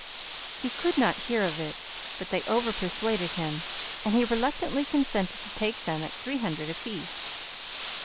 He could not hear of it, but they over persuaded him, and he reluctantly consented to take them at three hundred apiece.